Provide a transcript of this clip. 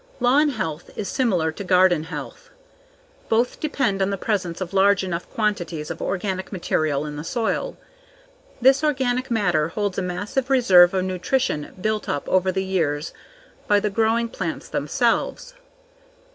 Lawn health is similar to garden health. Both depend on the presence of large enough quantities of organic material in the soil. This organic matter holds a massive reserve of nutrition built up over the years by the growing plants themselves.